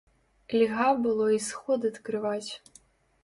Льга было й сход адкрываць.